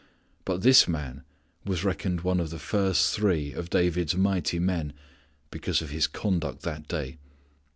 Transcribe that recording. But this man was reckoned one of the first three of David's mighty men because of his conduct that day.